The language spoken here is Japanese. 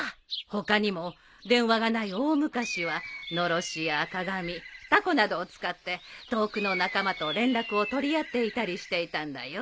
他にも電話がない大昔はのろしや鏡たこなどを使って遠くの仲間と連絡を取り合っていたりしていたんだよ。